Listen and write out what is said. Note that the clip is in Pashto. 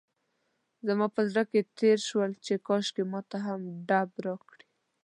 زما په زړه کې تېر شول چې کاشکې ماته هم ډب راکړي.